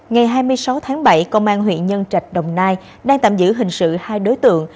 ngày hai mươi sáu tháng bảy công an huyện nhân trạch đồng nai đang tạm giữ hình sự hai đối tượng